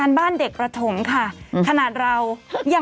กรมป้องกันแล้วก็บรรเทาสาธารณภัยนะคะ